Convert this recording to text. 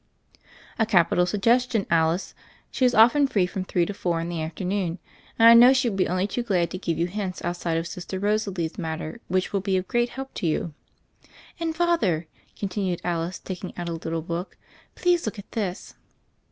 "A capital suggestion, Alice. She is often free from three to four in the afternoon, and I know she will be only too glad to give you hints outside of Sister Rosalie's matter which will be of great help to you." "And, Father," continued Alice, taking out a little book, "please look at this."